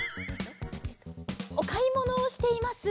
おかいものをしています。